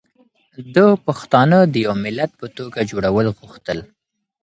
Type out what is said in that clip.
ده پښتانه د يو ملت په توګه جوړول غوښتل